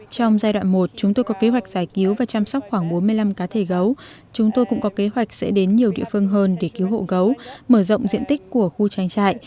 trong giai đoạn một chúng tôi có kế hoạch giải cứu và chăm sóc khoảng bốn mươi năm cá thể gấu chúng tôi cũng có kế hoạch sẽ đến nhiều địa phương hơn để cứu hộ gấu mở rộng diện tích của khu trang trại